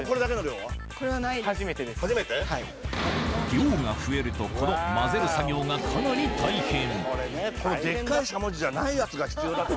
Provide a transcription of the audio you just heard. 量が増えるとこの混ぜる作業がかなり大変だと思うよ